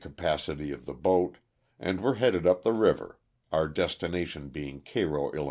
capacity of the boat, and were headed up the river, our destination being Cairo, 111.